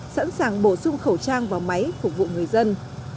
sẵn sàng bổ sung khẩu trang và máy phục vụ người dân